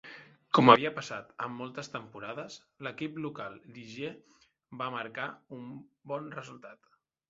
Com havia passat en moltes temporades, l'equip local Ligier va marcar un bon resultat.